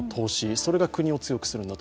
それが国を強くするんだと。